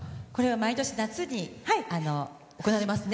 毎年夏に行われますね。